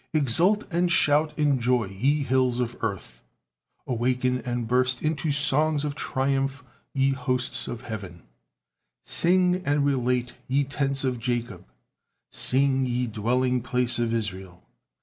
Exult and shout in joy, ye hills of earth, awaken and burst into songs of triumph, ye hosts of heaven. Sing and relate, ye tents of Jacob, sing, ye dwelling place of Israel.